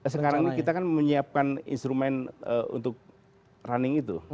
sekarang ini kita kan menyiapkan instrumen untuk running itu